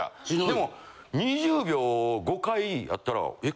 でも２０秒を５回やったらえ？